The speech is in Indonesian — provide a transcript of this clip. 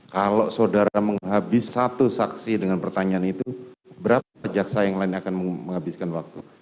kalau saudara menghabis satu saksi dengan pertanyaan itu berapa jaksa yang lain akan menghabiskan waktu